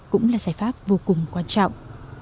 cũng là giải pháp vô cùng quan trọng